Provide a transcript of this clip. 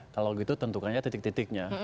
kalau gitu tentukannya titik titiknya